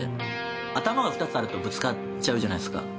頭が２つあるとぶつかっちゃうじゃないですか。